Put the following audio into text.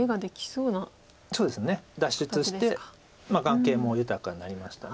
そうですね脱出して眼形も豊かになりました。